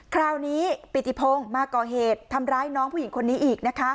คราวนี้ปิติพงศ์มาก่อเหตุทำร้ายน้องผู้หญิงคนนี้อีกนะคะ